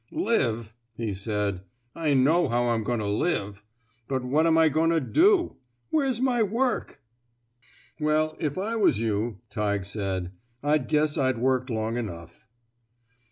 *'LiveI'' he said. '* I know how I'm goin' to live. But what'm I goin' to do? Where's my work? "'' Well, if I was you," Tighe said, '' I'd guess I'd worked long enough."